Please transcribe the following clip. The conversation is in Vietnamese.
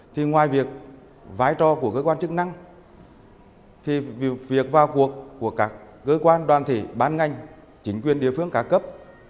thì ngoài việc vai trò của cơ quan chức năng thì việc vào cuộc của các cơ quan đoàn thể bán ngành chính quyền địa phương cá cấp